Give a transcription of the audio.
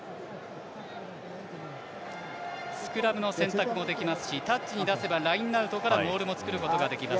スクラムの選択もできますしタッチに出せばラインアウトからモールも作ることができます。